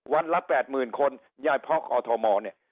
วันละ๘๐๐๐๐คนยายพร้อมอทมเนี่ย